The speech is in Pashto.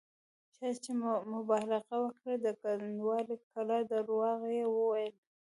چا چې مبالغه وکړه د کنډوالې کلا درواغ یې وویل.